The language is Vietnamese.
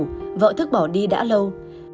tù vợ thức bỏ đi đã lâu